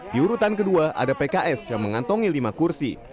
di urutan kedua ada pks yang mengantongi lima kursi